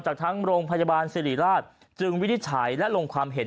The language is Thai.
จากทั้งโรงพยาบาลสิริราชจึงวินิจฉัยและลงความเห็น